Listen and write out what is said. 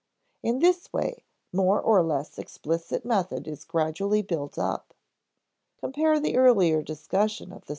In this way, more or less explicit method is gradually built up. (Compare the earlier discussion on p.